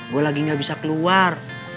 gue lagi gak bisa keluar